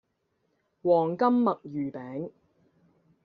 黃金墨魚餅